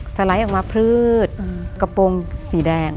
สไลด์ออกมาพลืดกระโปรงสีแดง